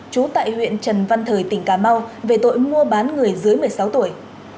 trú tại huyện trần văn thời tỉnh cà mau về tội mua bán người dưới một mươi sáu tuổi